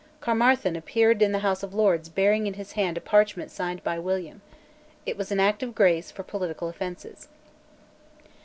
Caermarthen appeared in the House of Lords bearing in his hand a parchment signed by William. It was an Act of Grace for political offences.